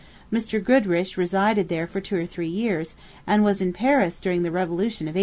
Mr. Goodrich resided there for two or three years, and was in Paris during the revolution of 1848.